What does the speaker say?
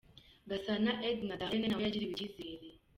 Gasana Edna Darlene nawe yagiriwe icyizere.